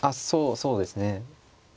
そうですね。